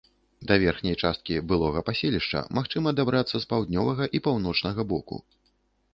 Да верхняй часткі былога паселішча магчыма дабрацца з паўднёвага і паўночнага боку.